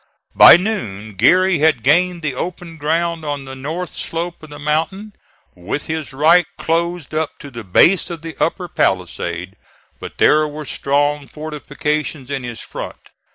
By noon Geary had gained the open ground on the north slope of the mountain, with his right close up to the base of the upper palisade, but there were strong fortifications in his front.